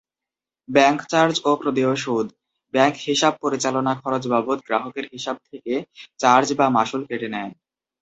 Bank charge ও প্রদেয় সুদ: ব্যাংক হিসাব পরিচালনা খরচ বাবদ গ্রাহকের হিসাব থেকে চার্জ বা মাশুল কেটে নেয়।